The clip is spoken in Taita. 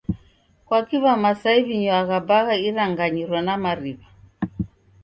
Kwaki W'aMasai w'inywagha bagha iranganyiro na mariw'a?